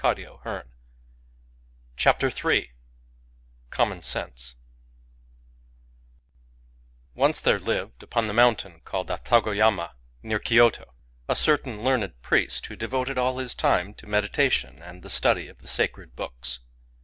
^>■,^ iL^ Digitized by Googk CJommon Sense CV NCE there lived upon the mountain called ^W Atagoyama, near Kyoto, a certain learned pd^t who devoted all his time to medi tation and the study of the sacred books.